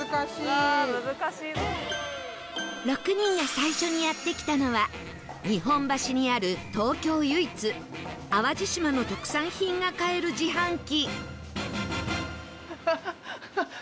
６人が最初にやって来たのは日本橋にある東京唯一淡路島の特産品が買える自販機